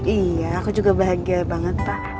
iya aku juga bahagia banget pak